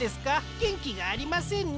げんきがありませんね。